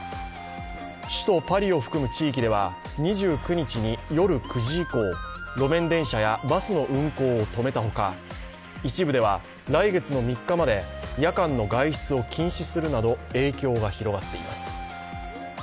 首都パリを含む地域では２９日に夜９時以降路面電車やバスの運行を止めたほか、一部では、来月の３日まで夜間の外出を禁止するなど影響が広がっています。